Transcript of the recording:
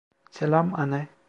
Selam, anne.